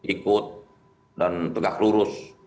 ikut dan tegak lurus